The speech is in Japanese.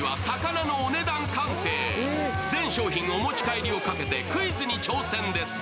全商品お持ち帰りをかけてクイズに挑戦です。